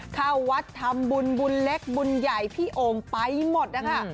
เข้าวัดทำบุญบุญเล็กบุญใหญ่พี่โอ่งไปหมดนะคะ